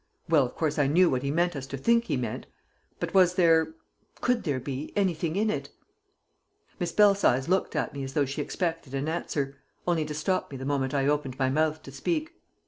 Well, of course, I knew what he meant us to think he meant; but was there, could there be, anything in it?" Miss Belsize looked at me as though she expected an answer, only to stop me the moment I opened my mouth to speak.